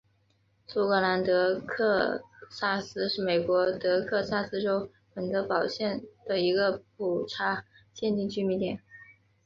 舒格兰德克萨斯是美国德克萨斯州本德堡县的一个普查规定居民点。